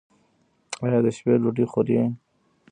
ایا د شپې ډوډۍ خورئ؟